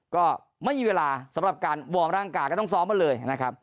ก็ไม่มีเวลาสำหรับการวอร์มร่างกายก็ต้องซ้อมมาเลยนะครับ